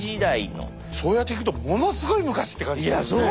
そうやって聞くとものすごい昔って感じするね。